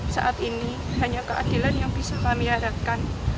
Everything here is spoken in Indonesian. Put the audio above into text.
saat ini hanya keadilan yang bisa kami harapkan